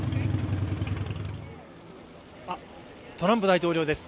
トランプ大統領です。